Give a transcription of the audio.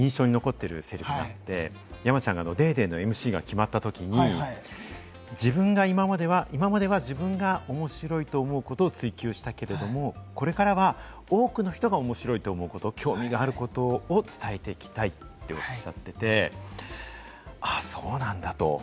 山ちゃんが『ＤａｙＤａｙ．』のＭＣに決まったときに、自分が今までは、自分が面白いと思うことを追求したけれども、これからは多くの人が面白いと思うこと、興味があることを伝えていきたいとおっしゃっていて、ああ、そうなんだと。